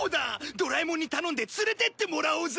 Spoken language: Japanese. ドラえもんに頼んで連れていってもらおうぜ！